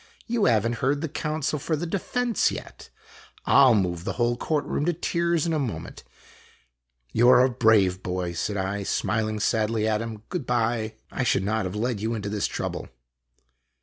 " You have n't heard the counsel for the defense yet. I '11 move the whole court room to tears in a moment." " You are a brave boy," said I, smiling sadly at him. " Good by ! I should not have led you into this trouble."